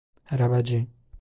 Arabacı!